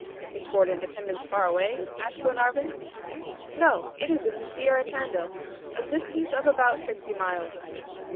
"Is Fort Independence far away?" asked Glenarvan. "No, it is in the Sierra Tandil, a distance of about sixty miles."